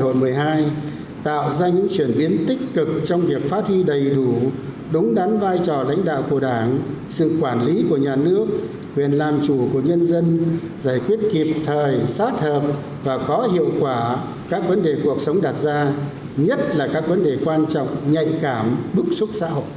nghị quyết đại hội một mươi hai tạo ra những chuyển biến tích cực trong việc phát huy đầy đủ đúng đắn vai trò lãnh đạo của đảng sự quản lý của nhà nước quyền làm chủ của nhân dân giải quyết kịp thời sát hợp và có hiệu quả các vấn đề cuộc sống đặt ra nhất là các vấn đề quan trọng nhạy cảm bức xúc xã hội